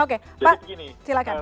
oke pak silakan